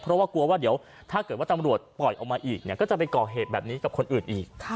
เพราะว่ากลัวว่าเดี๋ยวถ้าเกิดว่าตำรวจปล่อยออกมาอีกเนี่ยก็จะไปก่อเหตุแบบนี้กับคนอื่นอีก